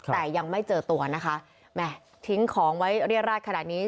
แต่ยังไม่เจอตัวนะคะแหม่ทิ้งของไว้เรียดราดขนาดนี้